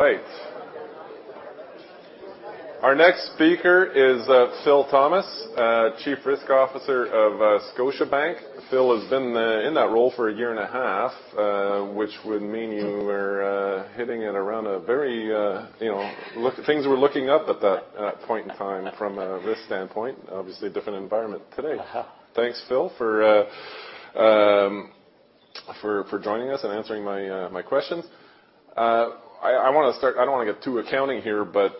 All right. Our next speaker is Philip Thomas, Chief Risk Officer of Scotiabank. Phil has been in that role for a year and a half, which would mean you were hitting it around a very, you know, look at things we're looking up at that point in time from a risk standpoint. Obviously, different environment today. Uh-huh. Thanks, Phil, for joining us and answering my questions. I wanna start. I don't wanna get too accounting here, but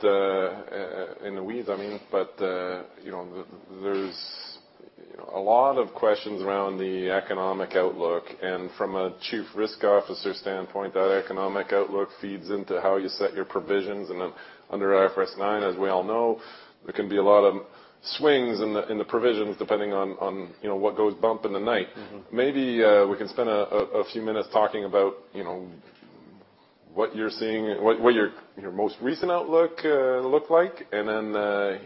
in the weeds, I mean, you know, there's, you know, a lot of questions around the economic outlook. From a chief risk officer standpoint, that economic outlook feeds into how you set your provisions. Under IFRS 9, as we all know, there can be a lot of swings in the provisions depending on, you know, what goes bump in the night. Mm-hmm. Maybe, we can spend a few minutes talking about, you know, what you're seeing, what your most recent outlook, look like, and then,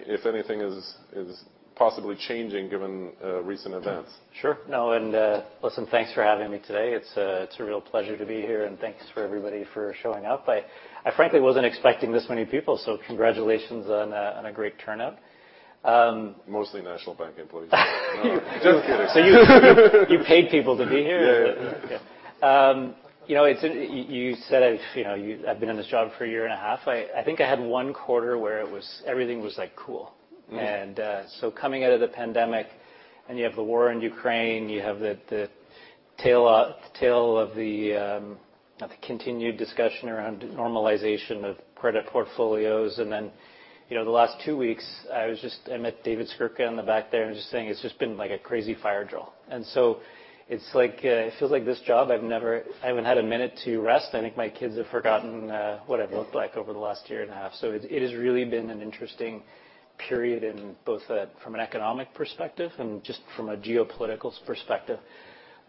if anything is possibly changing given, recent events. Sure. No, listen, thanks for having me today. It's a real pleasure to be here, and thanks for everybody for showing up. I frankly wasn't expecting this many people, so congratulations on a great turnout. Mostly National Bank employees. No. Just kidding. You paid people to be here? Yeah. Yeah. you know, it's, you said I've been in this job for a year and a half. I think I had one quarter where everything was, like, cool. Mm-hmm. Coming out of the pandemic, and you have the war in Ukraine, you have the tail of the continued discussion around normalization of credit portfolios. You know, the last two weeks, I met David Skurka in the back there and just saying it's just been like a crazy fire drill. It's like, it feels like this job I haven't had a minute to rest. I think my kids have forgotten what I've looked like over the last year and a half. It has really been an interesting period in both from an economic perspective and just from a geopolitical perspective.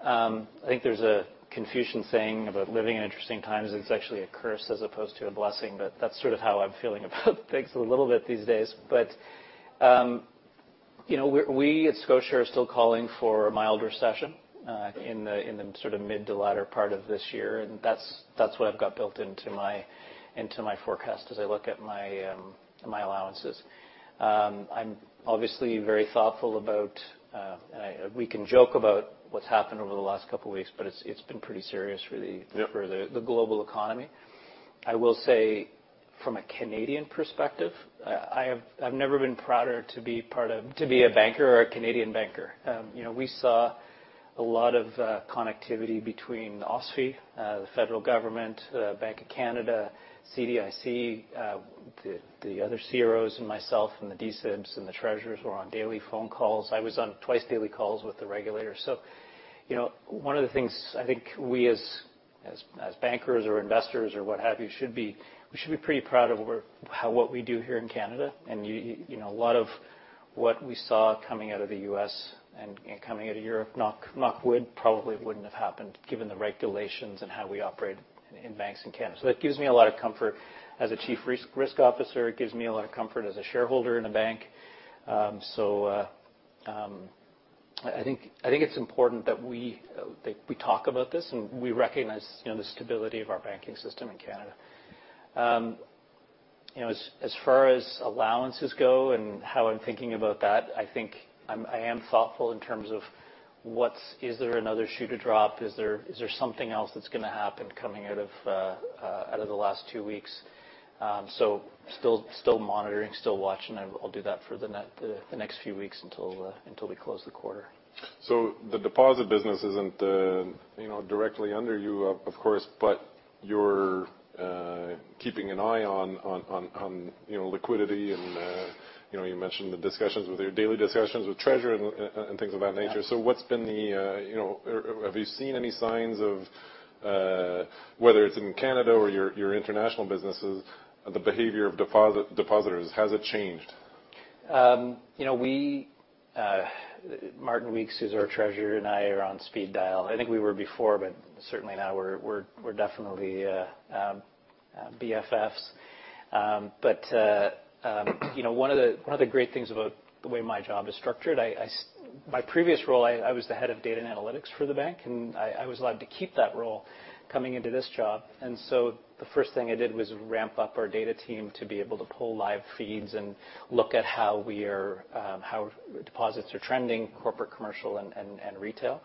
I think there's a Confucian saying about living in interesting times, and it's actually a curse as opposed to a blessing, but that's sort of how I'm feeling about things a little bit these days. You know, we at Scotia are still calling for a mild recession in the sort of mid to latter part of this year, and that's what I've got built into my forecast as I look at my allowances. I'm obviously very thoughtful about, and we can joke about what's happened over the last couple weeks, but it's been pretty serious. Yep... for the global economy. I will say from a Canadian perspective, I've never been prouder to be a banker or a Canadian banker. You know, we saw a lot of connectivity between OSFI, the federal government, Bank of Canada, CDIC, the other CROs and myself and the D-SIBs and the treasurers were on daily phone calls. I was on twice-daily calls with the regulators. You know, one of the things I think we as bankers or investors or what have you should be, we should be pretty proud of our what we do here in Canada. You know, a lot of what we saw coming out of the U.S. and coming out of Europe, knock wood, probably wouldn't have happened given the regulations and how we operate in banks in Canada. That gives me a lot of comfort as a Chief Risk Officer. It gives me a lot of comfort as a shareholder in a bank. I think it's important that we talk about this and we recognize, you know, the stability of our banking system in Canada. You know, as far as allowances go and how I'm thinking about that, I am thoughtful in terms of what's... Is there another shoe to drop? Is there something else that's gonna happen coming out of the last two weeks? Still monitoring, still watching. I'll do that for the next few weeks until we close the quarter. The deposit business isn't, you know, directly under you, of course, but you're keeping an eye on, you know, liquidity and, you know, you mentioned daily discussions with Treasurer and things of that nature. Yeah. What's been the, you know? Have you seen any signs of, whether it's in Canada or your international businesses, the behavior of depositors, has it changed? You know, we, Martin Weeks, who's our treasurer, and I are on speed dial. I think we were before, certainly now we're definitely BFFs. You know, one of the, one of the great things about the way my job is structured, My previous role, I was the head of data and analytics for the bank, I was allowed to keep that role coming into this job. The first thing I did was ramp up our data team to be able to pull live feeds and look at how we are, how deposits are trending, corporate, commercial, and retail.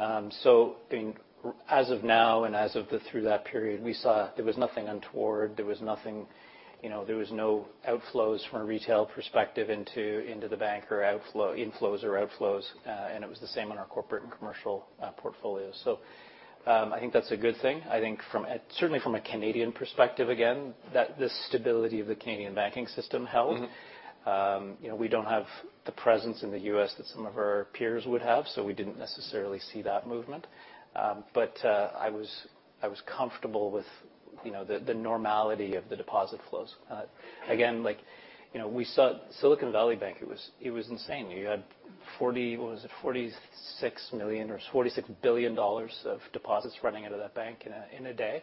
As of now, as of the through that period, we saw there was nothing untoward. There was nothing... you know, there was no outflows from a retail perspective into the bank or inflows or outflows. It was the same on our corporate and commercial portfolios. I think that's a good thing. I think certainly from a Canadian perspective, again, that the stability of the Canadian banking system held. Mm-hmm. You know, we don't have the presence in the U.S. that some of our peers would have, so we didn't necessarily see that movement. I was comfortable with, you know, the normality of the deposit flows. Again, like, you know, we saw Silicon Valley Bank, it was insane. You had $46 million or $46 billion of deposits running out of that bank in a day.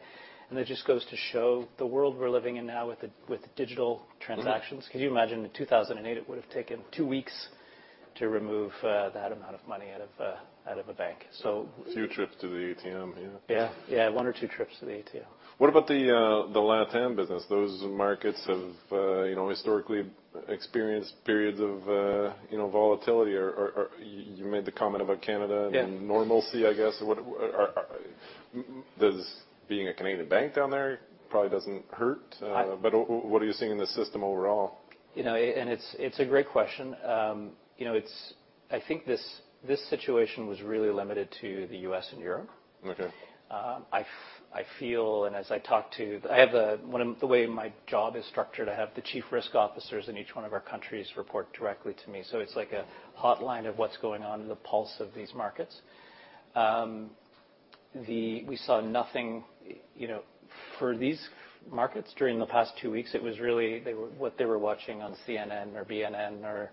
It just goes to show the world we're living in now with the digital transactions. Mm-hmm. Could you imagine in 2008 it would have taken two weeks to remove that amount of money out of a bank? A few trips to the A.T.M., yeah. Yeah. Yeah, one or two trips to the ATM. What about the LatAm business? Those markets have, you know, historically experienced periods of, you know, volatility. you made the comment about Canada- Yeah and normalcy, I guess. Does being a Canadian bank down there probably doesn't hurt? I- What are you seeing in the system overall? You know, it's a great question. You know, I think this situation was really limited to the U.S. and Europe. Okay. I feel, as I talk to... I have One of the way my job is structured, I have the chief risk officers in each one of our countries report directly to me, so it's like a hotline of what's going on in the pulse of these markets. We saw nothing, you know. For these markets during the past two weeks, it was really what they were watching on CNN or BNN or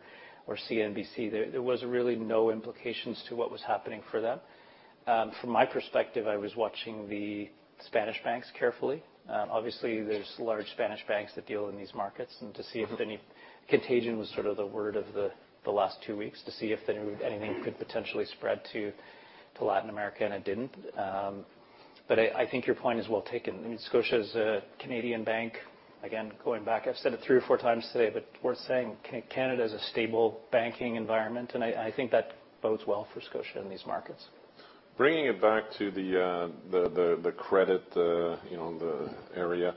CNBC. There was really no implications to what was happening for them. From my perspective, I was watching the Spanish banks carefully. Obviously, there's large Spanish banks that deal in these markets, and to see if any contagion was sort of the word of the last two weeks, to see if anything could potentially spread to Latin America, and it didn't. I think your point is well taken. I mean, Scotia is a Canadian bank. Again, going back, I've said it three or four times today, but worth saying, Canada is a stable banking environment, and I think that bodes well for Scotia in these markets. Bringing it back to the credit, you know, the area.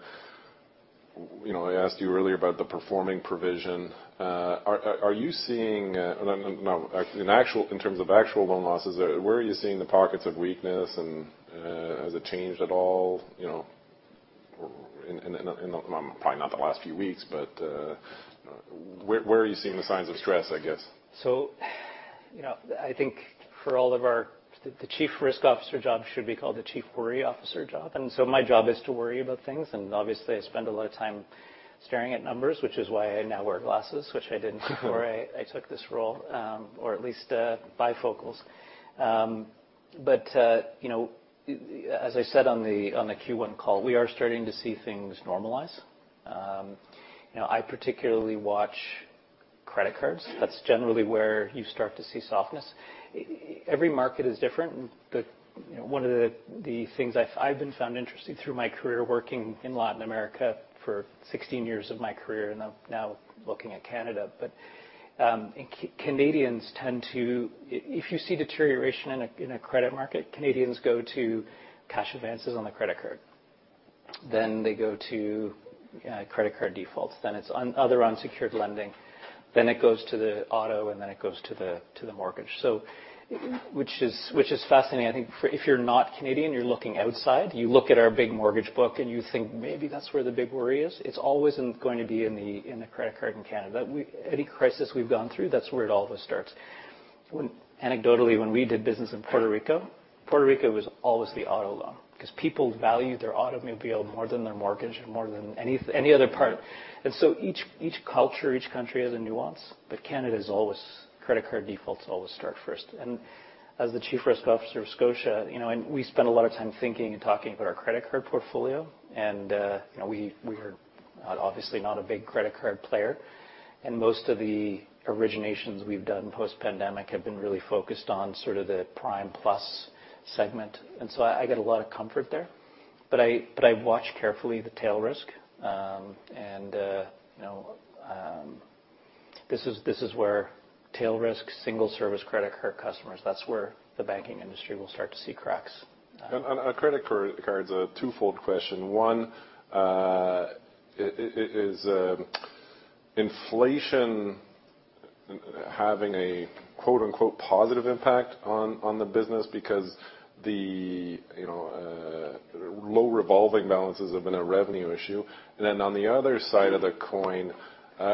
You know, I asked you earlier about the performing provision. Are you seeing, no, in terms of actual loan losses, where are you seeing the pockets of weakness, and has it changed at all, you know, in the... probably not the last few weeks, but where are you seeing the signs of stress, I guess? You know, I think for all of our. The Chief Risk Officer job should be called the chief worry officer job. My job is to worry about things. Obviously, I spend a lot of time staring at numbers, which is why I now wear glasses, which I didn't before I took this role, or at least bifocals. You know, as I said on the Q1 call, we are starting to see things normalize. You know, I particularly watch credit cards. That's generally where you start to see softness. Every market is different. You know, one of the things I even found interesting through my career working in Latin America for 16 years of my career. I'm now looking at Canada. Canadians tend to. If you see deterioration in a credit market, Canadians go to cash advances on the credit card, then they go to credit card defaults, then it's on other unsecured lending, then it goes to the auto, and then it goes to the mortgage. Which is fascinating. I think if you're not Canadian, you're looking outside, you look at our big mortgage book and you think, "Maybe that's where the big worry is." It's always going to be in the credit card in Canada. Any crisis we've gone through, that's where it always starts. Anecdotally, when we did business in Puerto Rico, Puerto Rico was always the auto loan because people value their automobile more than their mortgage and more than any other part. Each culture, each country has a nuance, but Canada is always credit card defaults always start first. As the Chief Risk Officer of Scotia, you know, and we spend a lot of time thinking and talking about our credit card portfolio, you know, we are obviously not a big credit card player, and most of the originations we've done post-pandemic have been really focused on sort of the prime plus segment. I get a lot of comfort there. I watch carefully the tail risk, you know, this is where tail risk, single service credit card customers, that's where the banking industry will start to see cracks. On credit card's a twofold question. One, is inflation having a quote-unquote "positive impact" on the business because, you know, low revolving balances have been a revenue issue. On the other side of the coin,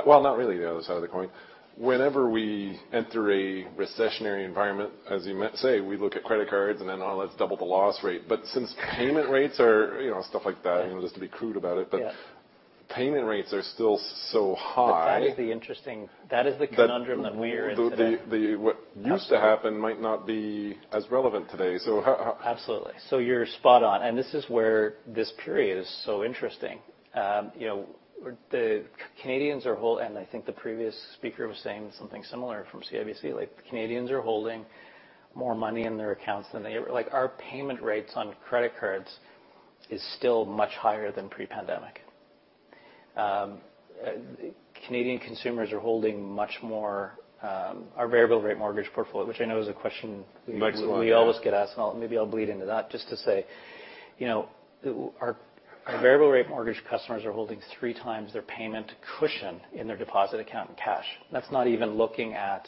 well, not really the other side of the coin. Whenever we enter a recessionary environment, as you say, we look at credit cards and then, "Oh, let's double the loss rate." Since payment rates are, you know, stuff like that, you know, just to be crude about it. Yeah. Payment rates are still so high. That is the conundrum that we are in today. The what used to happen might not be as relevant today, so how... Absolutely. You know, the Canadians are whole, and I think the previous speaker was saying something similar from CIBC. Like, Canadians are holding more money in their accounts than they ever... Like, our payment rates on credit cards is still much higher than pre-pandemic. Canadian consumers are holding much more, our variable rate mortgage portfolio, which I know is a question-. Next one, yeah. We always get asked, maybe I'll bleed into that just to say, you know, our variable rate mortgage customers are holding three times their payment cushion in their deposit account in cash. That's not even looking at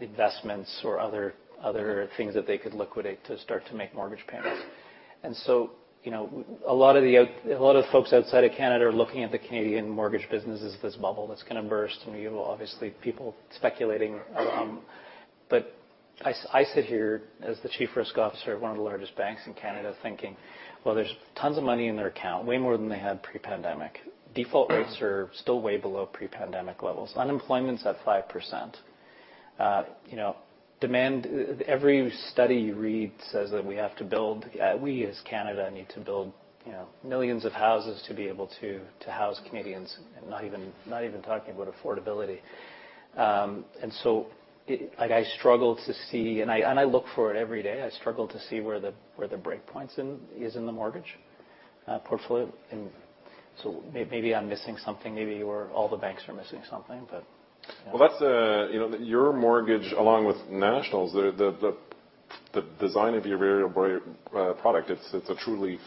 investments or other things that they could liquidate to start to make mortgage payments. You know, A lot of folks outside of Canada are looking at the Canadian mortgage business as this bubble that's gonna burst. You have, obviously, people speculating around. I sit here as the Chief Risk Officer of one of the largest banks in Canada thinking, "Well, there's tons of money in their account, way more than they had pre-pandemic. Default rates are still way below pre-pandemic levels. Unemployment's at 5%. You know, demand, every study you read says that we have to build. We, as Canada, need to build, you know, millions of houses to be able to house Canadians, not even talking about affordability. Like I struggle to see, and I look for it every day, I struggle to see where the breakpoints is in the mortgage portfolio. Maybe I'm missing something, maybe you or all the banks are missing something. Yeah. Well, that's, you know, your mortgage, along with National's, the design of your variable rate product, it's a truly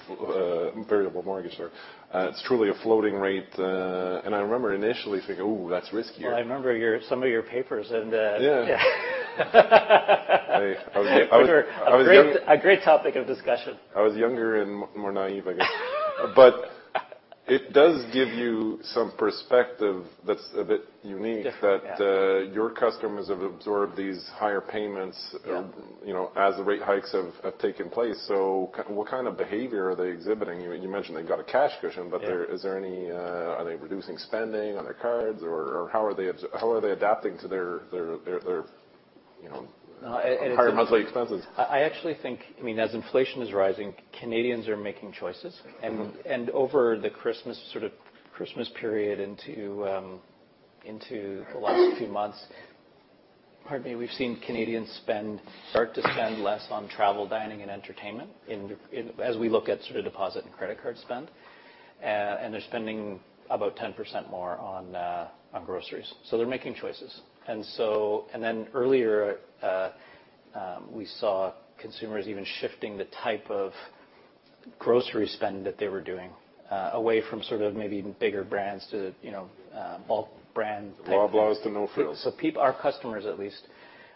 variable mortgage rate. It's truly a floating rate. I remember initially thinking, "Oh, that's riskier. Well, I remember some of your papers and. Yeah. I was young-. They were a great topic of discussion. I was younger and more naive, I guess. It does give you some perspective that's a bit unique. Different, yeah.... that, your customers have absorbed these higher payments- Yeah you know, as the rate hikes have taken place. What kind of behavior are they exhibiting? You mentioned they've got a cash cushion. Yeah. Is there any? Are they reducing spending on their cards? Or how are they adapting to their, you know, higher monthly expenses? I actually think, I mean, as inflation is rising, Canadians are making choices. Mm-hmm. Over the Christmas, sort of Christmas period into the last few months, pardon me, we've seen Canadians start to spend less on travel, dining, and entertainment in as we look at sort of deposit and credit card spend. They're spending about 10% more on groceries. They're making choices. Earlier, we saw consumers even shifting the type of grocery spend that they were doing away from sort of maybe even bigger brands to the, you know, bulk brand type of- The Loblaws to No Frills. Our customers, at least,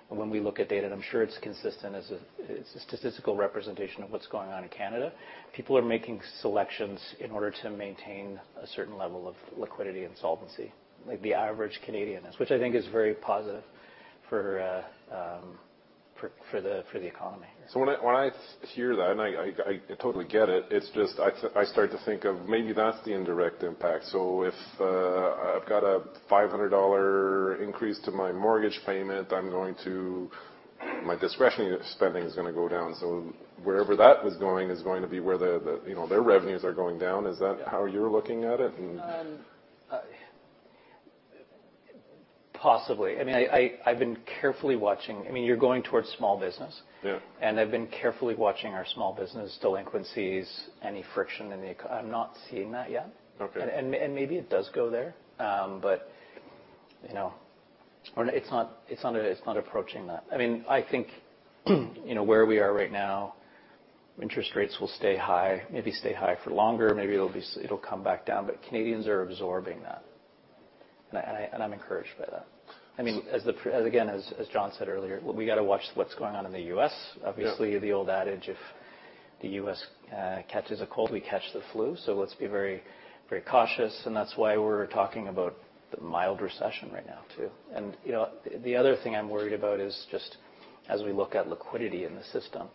when we look at data, and I'm sure it's consistent as a, as a statistical representation of what's going on in Canada, people are making selections in order to maintain a certain level of liquidity and solvency, like the average Canadian is, which I think is very positive for the economy. When I, when I hear that, and I totally get it's just I start to think of maybe that's the indirect impact. If I've got a 500 dollar increase to my mortgage payment, my discretionary spending is gonna go down. Wherever that was going is going to be where the, you know, their revenues are going down. Is that how you're looking at it? Possibly. I mean, I've been carefully watching... I mean, you're going towards small business. Yeah. I've been carefully watching our small business delinquencies, any friction I'm not seeing that yet. Okay. Maybe it does go there. You know, it's not, it's not, it's not approaching that. I mean, I think, you know, where we are right now, interest rates will stay high, maybe stay high for longer, maybe it'll come back down, Canadians are absorbing that. I'm encouraged by that. I mean, as again, as John said earlier, we gotta watch what's going on in the U.S. Yeah. Obviously, the old adage, if the U.S. catches a cold, we catch the flu. Let's be very, very cautious, and that's why we're talking about the mild recession right now too. You know, the other thing I'm worried about is just as we look at liquidity in the system,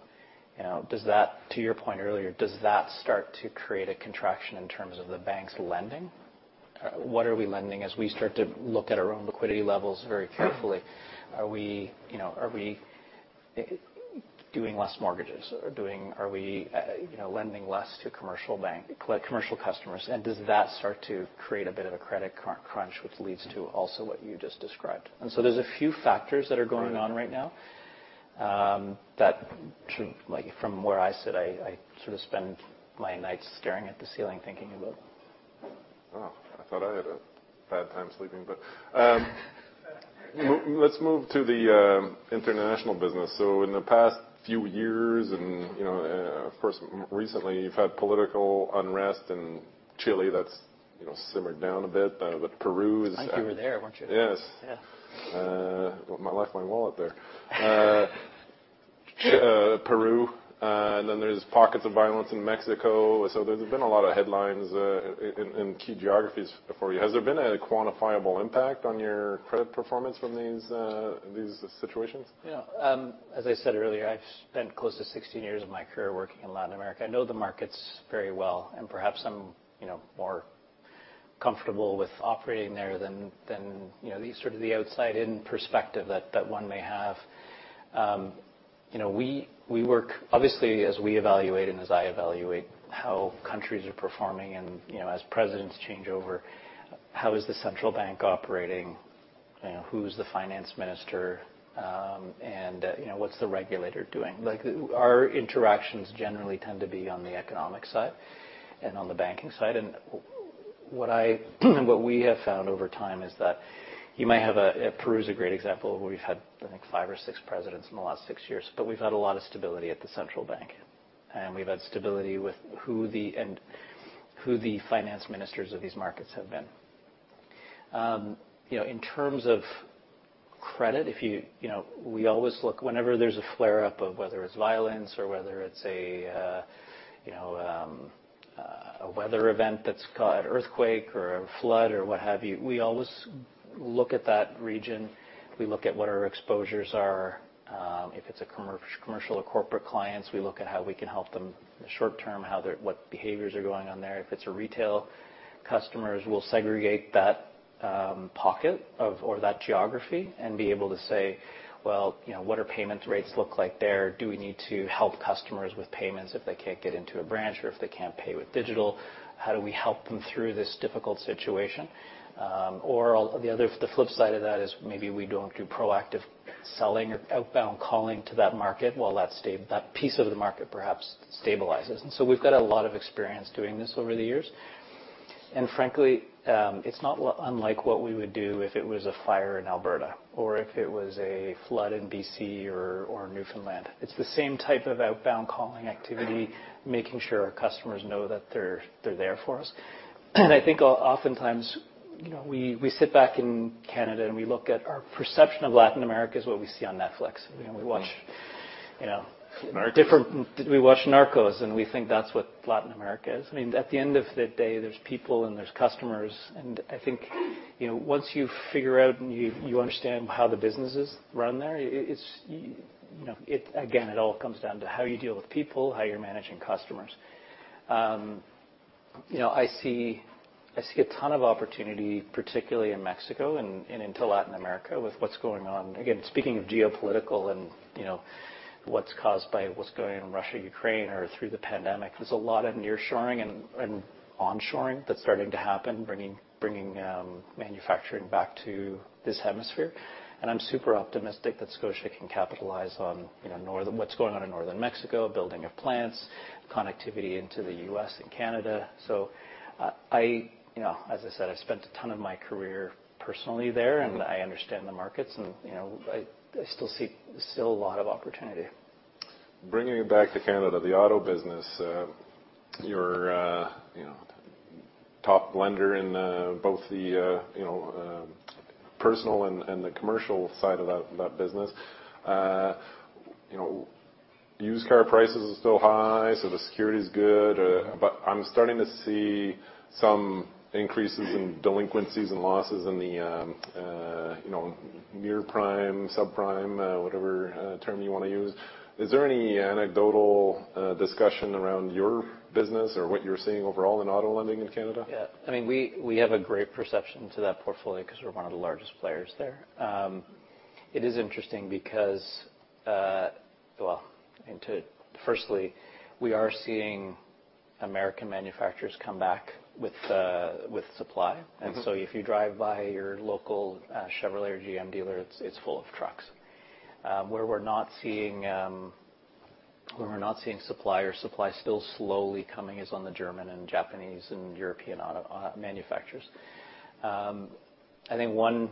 you know, does that, to your point earlier, does that start to create a contraction in terms of the banks lending? What are we lending as we start to look at our own liquidity levels very carefully? Are we, you know, are we doing less mortgages or lending less to commercial customers? Does that start to create a bit of a credit crunch which leads to also what you just described? There's a few factors that are going on right now, that like from where I sit, I sort of spend my nights staring at the ceiling thinking about. Oh, I thought I had a bad time sleeping, but let's move to the international business. In the past few years and, you know, of course recently, you've had political unrest in Chile that's, you know, simmered down a bit. I think you were there, weren't you? Yes. Yeah. Well, I left my wallet there. Peru, and then there's pockets of violence in Mexico. There's been a lot of headlines in key geographies for you. Has there been a quantifiable impact on your credit performance from these situations? Yeah. As I said earlier, I've spent close to 16 years of my career working in Latin America. I know the markets very well, and perhaps I'm, you know, more comfortable with operating there than, you know, the sort of the outside-in perspective that one may have. You know, we work... Obviously, as we evaluate and as I evaluate how countries are performing and, you know, as presidents change over, how is the central bank operating? You know, who's the finance minister? You know, what's the regulator doing? Like our interactions generally tend to be on the economic side and on the banking side. What we have found over time is that you may have a... Peru is a great example of where we've had, I think, five or six presidents in the last six years. We've had a lot of stability at the central bank. We've had stability with who the finance ministers of these markets have been. You know, in terms of credit. You know, we always look whenever there's a flare-up of whether it's violence or whether it's a, you know, a weather event that's earthquake or a flood or what have you, we always look at that region. We look at what our exposures are. If it's a commercial or corporate clients, we look at how we can help them in the short term, what behaviors are going on there. If it's a retail customers, we'll segregate that or that geography and be able to say, "Well, you know, what are payment rates look like there? Do we need to help customers with payments if they can't get into a branch or if they can't pay with digital? How do we help them through this difficult situation?" The flip side of that is maybe we don't do proactive selling or outbound calling to that market while that piece of the market perhaps stabilizes. We've got a lot of experience doing this over the years. Frankly, it's not unlike what we would do if it was a fire in Alberta or if it was a flood in BC or Newfoundland. It's the same type of outbound calling activity, making sure our customers know that they're there for us. I think oftentimes, you know, we sit back in Canada and we look at our perception of Latin America is what we see on Netflix. You know, we watch. Narcos. We watch Narcos, and we think that's what Latin America is. I mean, at the end of the day, there's people and there's customers, and I think, you know, once you figure out and you understand how the businesses run there, it's. Again, it all comes down to how you deal with people, how you're managing customers. You know, I see, I see a ton of opportunity, particularly in Mexico and into Latin America with what's going on. Again, speaking of geopolitical and, you know, what's caused by what's going on in Russia, Ukraine or through the pandemic, there's a lot of nearshoring and onshoring that's starting to happen, bringing manufacturing back to this hemisphere. I'm super optimistic that Scotia can capitalize on, you know, what's going on in Northern Mexico, building of plants, connectivity into the US and Canada. I, you know, as I said, I've spent a ton of my career personally there, and I understand the markets and, you know, I still see a lot of opportunity. Bringing it back to Canada, the auto business, you're, you know, top lender in both the, you know, personal and the commercial side of that business. You know, used car prices are still high, so the security is good. I'm starting to see some increases in delinquencies and losses in the, you know, near prime, subprime, whatever, term you wanna use. Is there any anecdotal discussion around your business or what you're seeing overall in auto lending in Canada? Yeah. I mean, we have a great perception to that portfolio because we're one of the largest players there. It is interesting because, well, I mean, Firstly, we are seeing American manufacturers come back with supply. Mm-hmm. If you drive by your local Chevrolet or GM dealer, it's full of trucks. Where we're not seeing supply or supply still slowly coming is on the German and Japanese and European auto manufacturers. I think one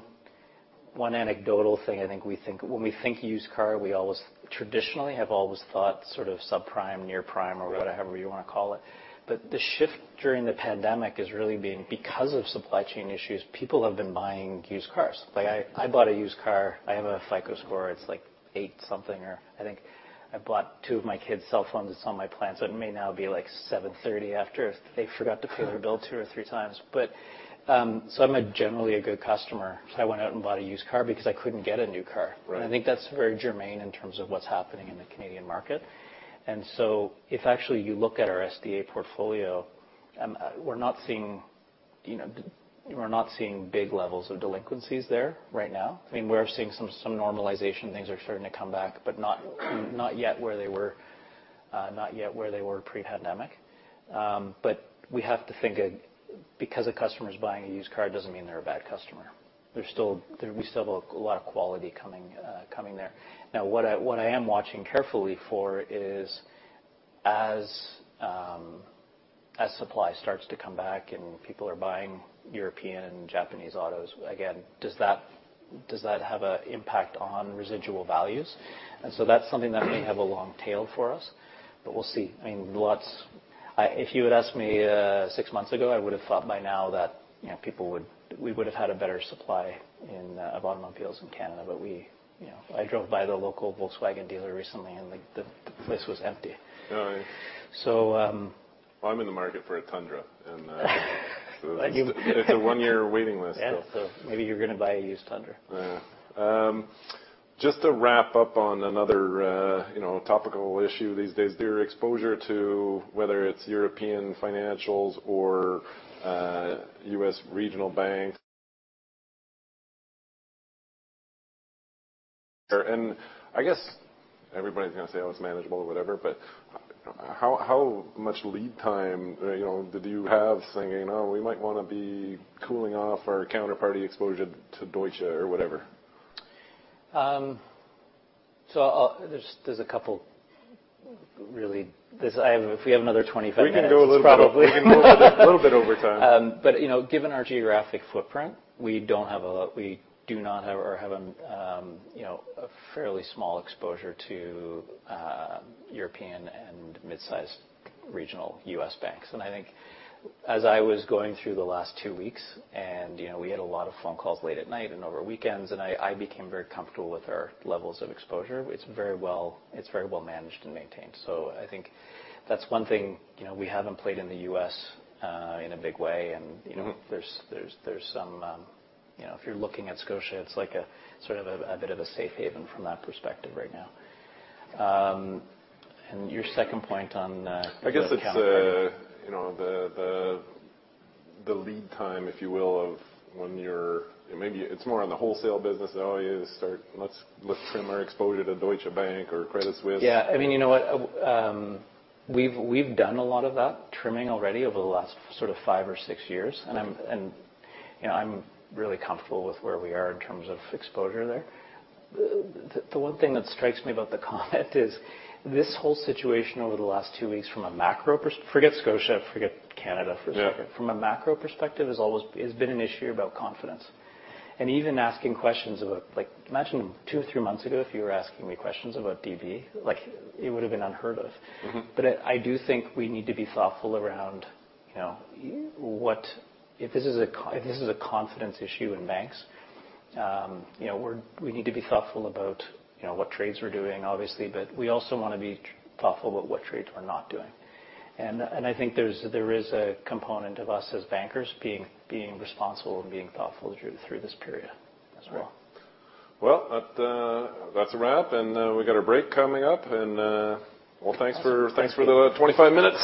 anecdotal thing I think we think. When we think used car, we always traditionally have thought sort of subprime, near prime or whatever you wanna call it. The shift during the pandemic has really been because of supply chain issues, people have been buying used cars. Like, I bought a used car. I have a FICO score, it's like eight-something or I think I bought two of my kids' cell phones. It's on my plan, it may now be like seven thirty after they forgot to pay their bill two or three times. I'm a generally a good customer. I went out and bought a used car because I couldn't get a new car. Right. I think that's very germane in terms of what's happening in the Canadian market. If actually you look at our SDA portfolio, we're not seeing, you know, we're not seeing big levels of delinquencies there right now. I mean, we're seeing some normalization. Things are starting to come back, but not yet where they were, not yet where they were pre-pandemic. We have to think, because a customer's buying a used car doesn't mean they're a bad customer. We still have a lot of quality coming there. What I am watching carefully for is, as supply starts to come back and people are buying European, Japanese autos again, does that have a impact on residual values? That's something that may have a long tail for us, but we'll see. I mean, if you would ask me, six months ago, I would have thought by now that, you know, we would have had a better supply in of automobiles in Canada. You know, I drove by the local Volkswagen dealer recently, and the place was empty. All right. So, um- Well, I'm in the market for a Tundra, and. Like you- It's a one-year waiting list still. Yeah. Maybe you're gonna buy a used Tundra. Yeah. Just to wrap up on another, you know, topical issue these days, your exposure to whether it's European financials or U.S. regional banks. I guess everybody's gonna say, "Oh, it's manageable," or whatever, but how much lead time, you know, did you have saying, "Oh, we might wanna be cooling off our counterparty exposure to Deutsche," or whatever? If we have another 25 minutes. We can go a little bit over. Probably. We can go a little bit over time. You know, given our geographic footprint, We do not have or have, you know, a fairly small exposure to European and mid-sized regional U.S. banks. I think as I was going through the last two weeks and, you know, we had a lot of phone calls late at night and over weekends, I became very comfortable with our levels of exposure. It's very well managed and maintained. I think that's one thing. You know, we haven't played in the U.S. in a big way and, you know, if you're looking at Scotia, it's like a sort of a bit of a safe haven from that perspective right now. Your second point on, counter- I guess it's, you know, the lead time, if you will, of when you're. Maybe it's more on the wholesale business. Oh, yeah, start. Let's trim our exposure to Deutsche Bank or Credit Suisse. Yeah. I mean, you know what? We've done a lot of that trimming already over the last sort of five or six years. Mm-hmm. You know, I'm really comfortable with where we are in terms of exposure there. The one thing that strikes me about the comment is this whole situation over the last two weeks from a macro. Forget Scotia, forget Canada for a second. Yeah. From a macro perspective, has always been an issue about confidence. Even asking questions about, like, imagine two or three months ago, if you were asking me questions about DB, like, it would have been unheard of. Mm-hmm. I do think we need to be thoughtful around, you know, what if this is a confidence issue in banks, you know, we need to be thoughtful about, you know, what trades we're doing, obviously, but we also wanna be thoughtful about what trades we're not doing. I think there's a component of us as bankers being responsible and being thoughtful through this period as well. That, that's a wrap, and we've got a break coming up, and well, thanks for the 25 minutes.